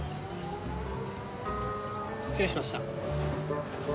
失礼しました。